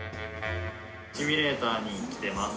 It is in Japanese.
シミュレーターに来てます。